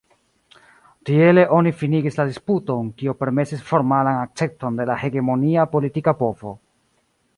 Tiele oni finigis la disputon, kio permesis formalan akcepton de la hegemonia politika povo.